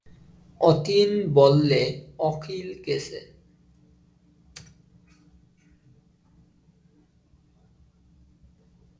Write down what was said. অতীন বললে অখিল গেছে।